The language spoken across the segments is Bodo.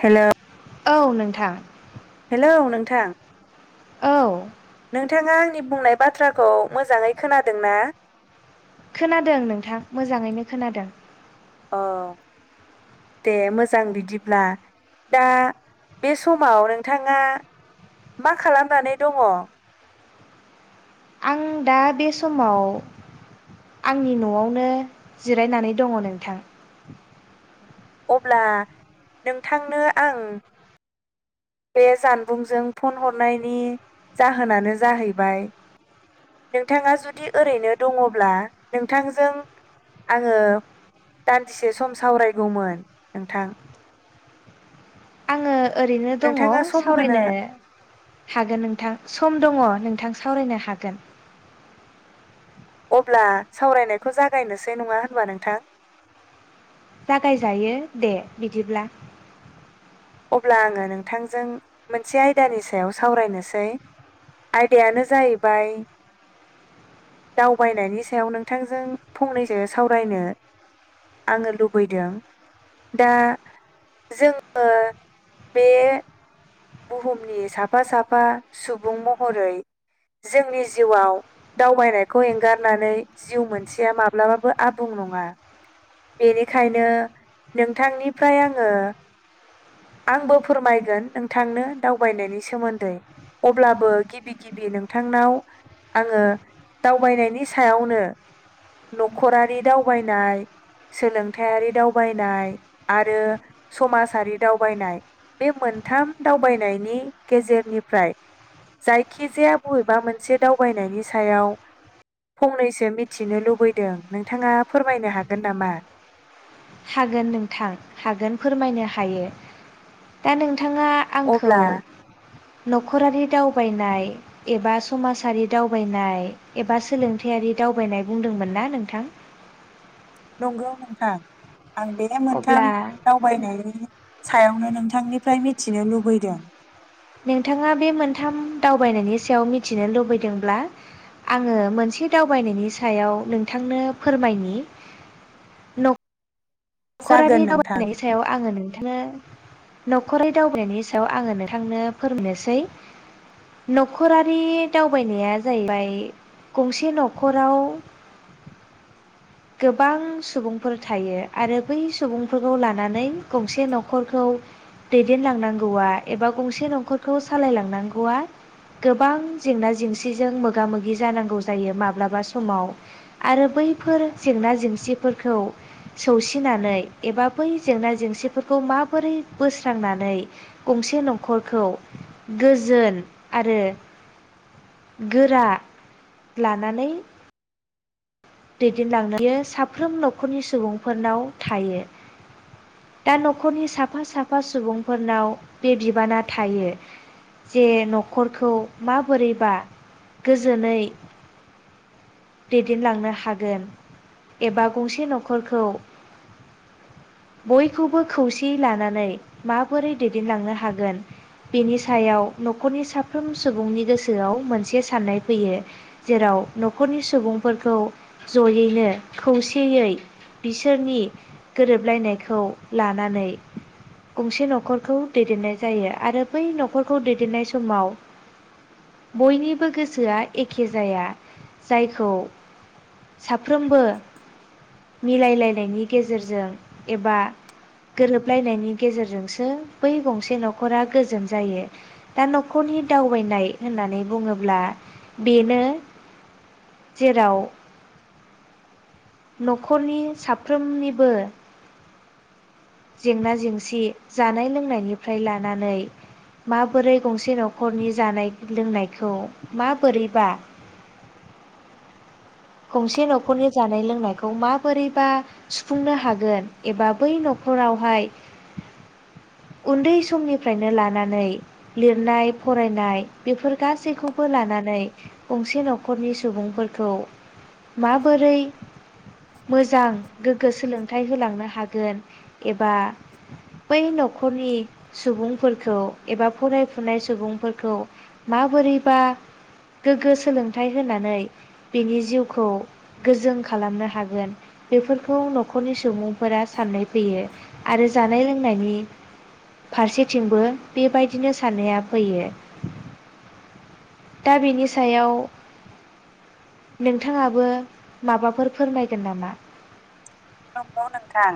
हेल' औ नोंथां। औ नोंथां। औ। नोंथाङा आंनि बुंनाय बाथ्राखौ मोजाङै खोनादों ना? खोनादों नोंथां मोजाङैनो खोनादों। औ दे मोजां बिदिब्ला दा बे समाव नोंथाङा मा खालामनानै दङ? आं दा बे समाव आंनि न'आवनो जिरायनानै दङ नोंथां। अब्ला नोंथांनो आं बे जानबुंजों फन हरनायनि जाहोनानो जाहैबाय नोंथाङा जुदि ओरैनो दङब्ला नोंथांजों आङो दान्दिसे सम सावरायगौमोन नोंथां। आङो ओरैनो दङ नोंथाङा सम सावरायनो होनो हागोन नोंथां सम दङ। नोंथां सावरायनो हागोन। अब्ला सावरायनायखौ जागायनोसै नङा होनबा नोंथां? जागायजायो दे बिदिब्ला अब्ला आङो नोंथांजों मोनसे आयदानि सायाव सावरायनोसै। आयदायानो जाहैबाय दावबायनायनि सायाव नोंथांजों फंनैसो सावरायनो आङो लुबैदों दा जोङो बे बुहुमनि साफा साफा सुबुं महरै जोंनि जिउआव दावबायनायखौ एंगारनानै जिउ मोनसेया माब्लाबाबो आबुं नङा बेनिखायनो नोंथांनिफ्राय आङो आंबो फोरमायगोन नोंथांनो दावबायनायनि सोमोन्दै अब्लाबो गिबि गिबि नोंथांनाव आङो दावबायनाय बे मोनथाम दावबायनायनि गेजेरनिफ्राय जायखिजाया बबेबा मोनसे दावबायनायनि सायाव फंनैसो मिथिनो लुबैदों नोंथाङा फोरमायनो हागोन नामा? हागोन नोंथां हागोन फोरमायनो हायो दा नों नोंथाङा आंखौ अब्ला नखरारि दावबायनाय एबा समाजारि दावबायनाय एबा सोलोंथाइयारि दावबायनाय बुंदोंमोन ना नोंथां? नंगौ नोंथां आं बे मोनथाम अब्ला दावबायनायनि सायावनो नोंथांनिफ्राय मिथिनो लुबैदों नोंथाङा बे मोनथाम दावबायनायनि सायाव मिथिनो लुबैदोंब्ला आङो मोनसे दावबायनायनि सायाव नोंथांनो फोरमायनि नखरारि जागोन नोंथां दावबायनायनि सायाव आङो नोंथांनो न'खरारि दावबायनायनि सायाव आङो नोंथांनो फोरोंनोसै नखरारि दावबायनाया जाहैबाय गंसे न'खराव गोबां सुबुंफोर थायो आरो बै सुबुंफोरखौ लानानै गंसे न'खरखौ दैदेनलांनांगौआ एबा गंसे न'खरखौ सालायलांनांगौआ गोबां जेंना जेंसिजों मोगा मोगि जानांगौ जायो माब्लाबा समाव आरो बैफोर जेंना जेंसिफोरखौ सौसिनानै एबा बै जेंना जेंसिफोरखौ माबोरै बोस्रांनानै गंसे न'खरखौ गोजोन आरो गोरा लानानै दैदेनलांनो बियो साफ्रोम न'खरनि सुबुंफोरनाव थायो दा न'खरनि साफा साफा सुबुंफोरनाव बे बिबाना थायो जे न'खरखौ मा रैबा गोजोनै दैदेनलांनो हागोन एबा गंसे न'खरखौ बयखौबो खौसेयै लानानै माबोरै दैदेनलांनो हागोन बेनि सायाव न'खरनि साफ्रोम सुबुंनि गोसोआव मोनसे साननाय फैयो जेराव न'खरनि सुबुं खौ जयैनो खौसेयै बिसोरनि गोरोबलायनायखौ लानानै गंसे न'खरखौ दैदेननाय जायो आरो बै न'खरखौ दैदेननाय समाव बयनिबो गोसोआ एखे जाया जायखौ साफ्रोमबो मिलायलायनायनि गेजेरजों एबा गोरोबलायनायनि गेजेरजोंसो बै गंसे न'खरा गोजोन जायो दा न'खरनि दावबायनाय होननानै बुङोब्ला बेनो। जेराव नखरनि साफ्रोमनिबो जेंना जेंसि जानाय लोंनायनिफ्राय लानानै माबोरै गंसे। जे न'खरनि जानाय लोंनायखौ मा बोरैबा। गंसे न'खरनि जानाय लोंनायखौ माबोरैबा सुफुंनो हागोन एबा बै न'खरावहाय उन्दै समनिफ्रायनो लानानै लिरनाय फरायनाय बेफोर गासैखौबो लानानै गंसे न'खरनि सुबुंफोरखौ। माबोरै मोजां गोग्गो सोलोंथाइ होलांनो हागोन एबा बै न'खरनि सुबुंफोरखौ एबा फरायफुनाय सुबुंफोरखौ माबोरैबा गोग्गो सोलोंथाइ होनानै बिनि जिउखौ गोजोन खालामनो हागोन बेफोरखौ न'खरनि सुबुंफोरा साननाय फैयो आरो जानाय लोंनायनि फारसेथिंबो बेबायदिनो साननाया फैयो। दा बिनि सायाव नोंथाङाबो माबाफोर फोरमायगोन नामा। नंगौ नोंथां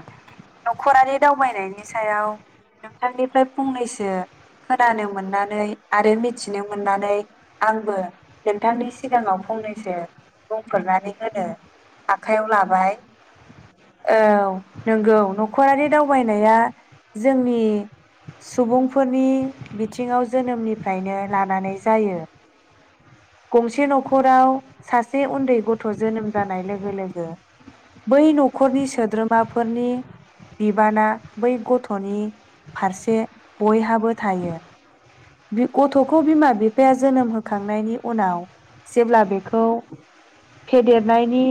नखरारि दावबायनायनि सायाव नोंथांनिफ्राय फंनैसो खोनानो मोननानै आरो मिथिनो मोननानै आंबो नोंथांनि सिगाङाव फंनैसो बुंफोरनानै होनो आखयाव लाबाय। औ नंगौ न'खरारि दावबायनाया जोंनि सुबुंफोरनि बिथिङाव जोनोमनिफ्रायनो लानानै जायो गंसे न'खराव सासे उन्दै गथ' जोनोम जानाय लोगो लोगो बै न न'खरनि सोद्रोमाफोरनि बिबाना बै गथ'नि फारसे बयहाबो थायो बि गथ'खौ बिमा बिफाया जोनोम होखांनायनि उनाव जेब्ला बेखौ फेदेरनायनि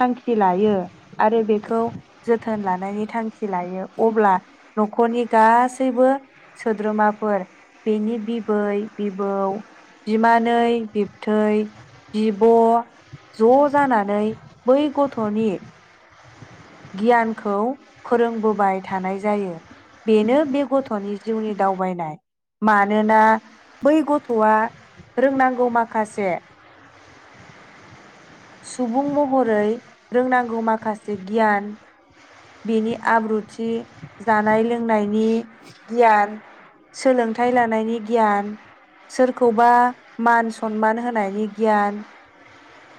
थांखि लायो। आरो बेखौ जोथोन लानायनि थांखि लायो अब्ला न'खरनि गासैबो सोद्रोमाफोर बेनि बिबै बिबौ बिमानै- बिबथै बिब' ज' जानानै बै गथ'नि गियानखौ फोरोंबोबाय थानाय जायो बेनो बे गथ'नि जिउनि दावबायनाय मानोना बै गथ'आ रोंनांगौ माखासे सुबुं महरै रोंनांगौ माखासे गियान। बेनि आब्रुथि जानाय लोंनायनि गियान सोलोंथाइ लानायनि गियान सोरखौबा मान सनमान होनायनि गियान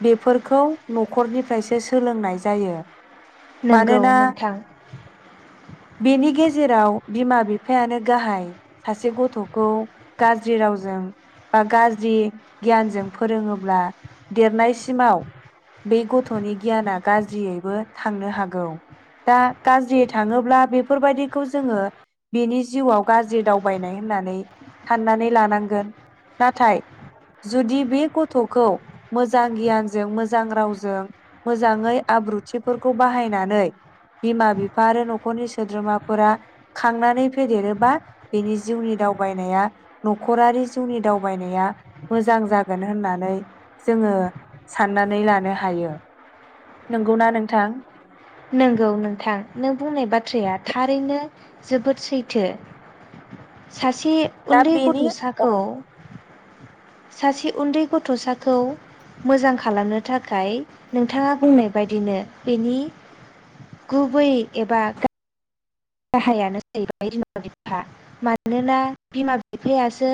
बेफोरखौ न'खरनिफ्रायसो सोलोंनाय जायो। नंगौ मानोना नोंगौ। नोंथां बेनि गेज जेराव बिमा बिफायानो गाहाय सासे गथ'खौ गाज्रि रावजों बा गाज्रि गियानजों फोरोङोब्ला देरनायसिमाव बे गथ'नि गियाना गाज्रियैबो थांनो हागौ। दा गाज्रि थाङोब्ला बेफोरबायदिखौ जोङो बिनि जिउआव गाज्रि दावबायनाय होननानै साननानै लानांगोन नाथाय जुदि बे गथ'खौ मोजां गियानजों मोजां रावजों मोजाङै आब्रुथिफोरखौ बाहायनानै बिमा बिफा आरो न'खरनि सोद्रोमाफोरा खांनानै फेदेरोबा बेनि जिउनि दावबायनाया न'खरारि जिउनि दावबायनाया मोजां जागोन होननानै जोङो साननानै लानो हायो नंगौना नोंथां? नोंगौ नोंथां नों बुंनाय बाथ्राया थारैनो जोबोद सैथो। सासे दा उन्दै बेनि अ गथ'साखौ सासे उन्दै गथ'साखौ मोजां खालामनो थाखाय नोंथाङा बुंनाय बायदिनो बेनि गुबै एबा गाहायानो जाहैबाय बिमा बिफा मानोना बिमा बिफायासो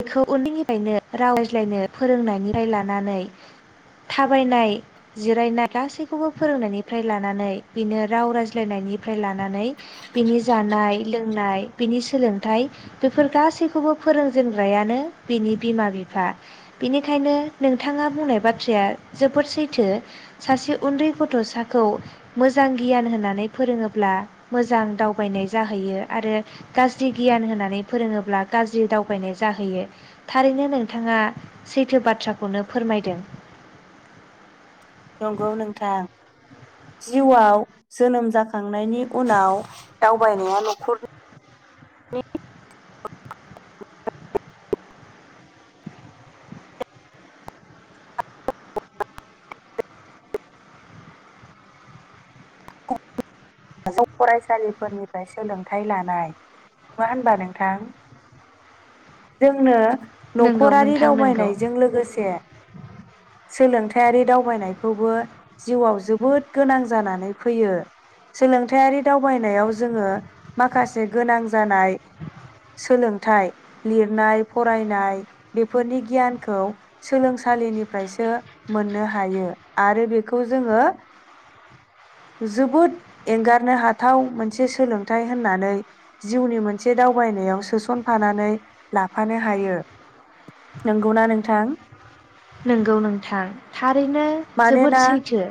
बेखौ उन्दैनिफ्रायनो राव रायज्लायनो फोरोंनायनिफ्राय लानानै थाबायनाय जिरायनाय गासैखौबो फोरोंनायनिफ्राय लानानै बेनो राव रायज्लायनायनि लानानै बिनि जानाय लोंनाय बिनि सोलोंथाइ बेफोर गासैखौबो फोरोंजेनग्रायानो बिनि बिमा बिफा बिनिखायनो नोंथाङा बुंनाय बाथ्राया जोबोर सैथो सासे उन्दै गथ'साखौ मोजां गियान होननानै फोरोङोब ब्ला मोजां दावबायनाय जाहैयो आरो गाज्रि गियान होननानै फोरोङोब्ला गाज्रि दावबायनाय जाहैयो थारैनो नोंथाङा सैथो बाथ्राखौनो फोरमायदों। नंगौ नोंथां। जिउआव जोनोम जाखां नायनि उनाव। दावबायनाया न'खरनि। [unintelligible] फरायसालिफोरनिफ्राय सोलोंथाइ लानाय नङा होनबा नोंथां? जोंनो नंगौ न'खरारि नोंथां नंगौ दावबायनायजों लोगोसे सोलों हिफाइयारि दावबायनायखौबो जिउआव जोबोद गोनां जानानै फैयो। सोलोंथायारि दावबायनायाव जोङो माखासे गोनां। जानाय सोलों नाथाय लिरनाय फरायनाय बेफोरनि गियानखौ सोलोंसालिनिफ्रायसो मोननो हायो आरो बेखौ जोङो जोबोद एंगारनो हाथाव मोनसे सोलोंथाइ होननानै जिउनि मोनसे दावबायनायाव सोसनफानानै लाफानो हायो ।नंगौना नोंथां? नंगौ नोंथां थारैनो मानोना जोबोद सैथो।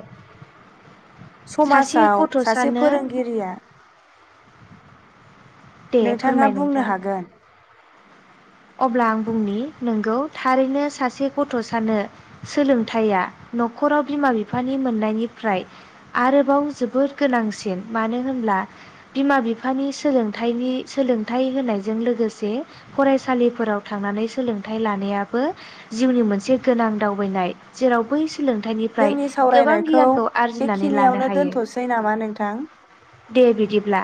सासे समाजाव सासे गथ'सानो फोरोंगिरिया। दे नोंथाङा फोरमाय बुंनो नोंथां हागोन? अब्ला आं बुंनि नोंगौ थारैनो सासे गथ' सानो सोलोंथाइया न'खराव बिमा बिफानि मोननायनिफ्राय आरोबाव जोबोद गोनांसिन मानो होनब्ला बिमा बिफानि सोलोंथाइनि सोलोंथाइ होनायजों लोगोसे फरायसा सालिफोराव थांनानै सोलोंथाइ लानायाबो जिउनि मोनसे गोनां दावबायनाय जेराव बै सोलोंथाइनिफ्राय जोंनि गोबां सावरायनायखौ गियानखौ आरजिनानै लानो बेखिनियावनो हायो दोन्थ'सै नामा नोंथां? दे बिदिब्ला